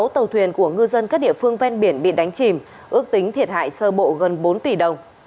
sáu tàu thuyền của ngư dân các địa phương ven biển bị đánh chìm ước tính thiệt hại sơ bộ gần bốn tỷ đồng